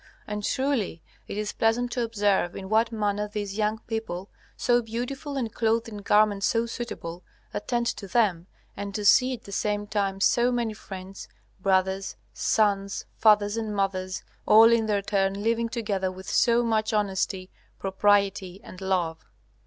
And truly it is pleasant to observe in what manner these young people, so beautiful and clothed in garments so suitable, attend to them, and to see at the same time so many friends, brothers, sons, fathers, and mothers all in their turn living together with so much honesty, propriety, and love.